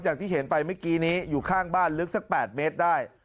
อย่างที่เห็นไปเมื่อกี้นี้อยู่ข้างบ้านลึกสัก๘เมตรได้